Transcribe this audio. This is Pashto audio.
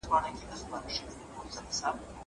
زه اوس سبزېجات جمع کوم.